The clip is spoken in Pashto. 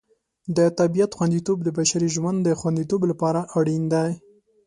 د طبیعت خوندیتوب د بشري ژوند د خوندیتوب لپاره اړین دی.